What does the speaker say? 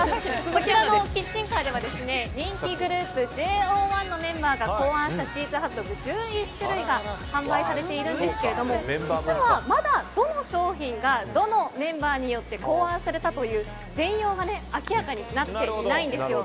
こちらのキッチンカーでは人気グループＪＯ１のメンバーが考案したチーズハットグ１１種類が販売されているんですけども実はまだ、どの商品がどのメンバーによって考案されたという全容が明らかになっていないんですよ。